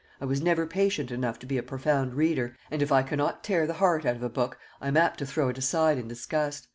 I was never patient enough to be a profound reader; and if I cannot tear the heart out of a book, I am apt to throw it aside in disgust.